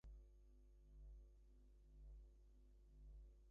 Carrizo is a plant that grows by the Rimac's riverside.